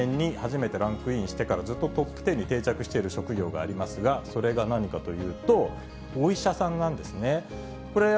女の子のほうではというと、例えば、９３年に初めてランクインしてからずっとトップ１０に定着している職業がありますが、それが何かというと、お医者さんなんですね。